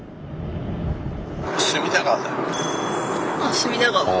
隅田川だよ。